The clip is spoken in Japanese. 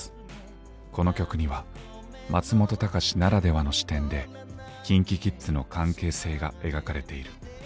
この曲には松本隆ならではの視点でＫｉｎＫｉＫｉｄｓの関係性が描かれている。